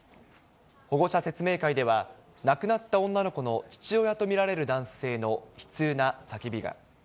保護者説明会では、亡くなった女の子の父親と見られる男性の悲痛な叫びが。